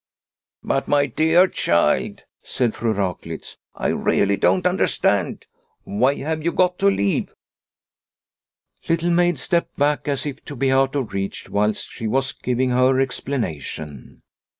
" But, my dear child," said Fru Raklitz, " I really don't understand. Why have you got to leave ?" Little Maid stepped back as if to be out of reach whilst she was giving her explanation.